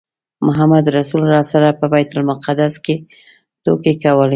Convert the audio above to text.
محمدرسول راسره په بیت المقدس کې ټوکې کولې.